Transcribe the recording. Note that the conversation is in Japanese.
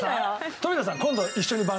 富田さん。